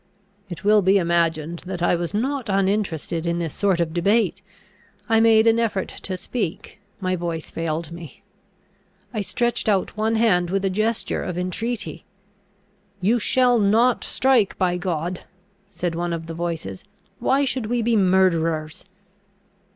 It will be imagined that I was not uninterested in this sort of debate. I made an effort to speak; my voice failed me. I stretched out one hand with a gesture of entreaty. "You shall not strike, by God!" said one of the voices; "why should we be murderers?"